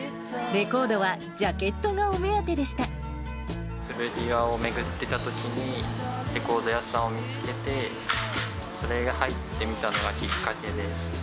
レコードはジャケットがお目当て古着屋を巡ってたときに、レコード屋さんを見つけて、それが入ってみたのがきっかけで。